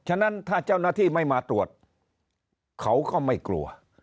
ฉะนั้นถ้าเจ้าหน้าที่ไม่มาตรวจเขาก็ไม่กลัว